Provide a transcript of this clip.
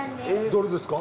どれですか？